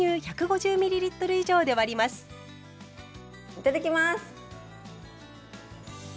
いただきます！